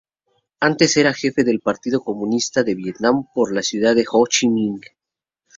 Antes era jefe del Partido Comunista de Vietnam por la Ciudad Ho Chi Minh.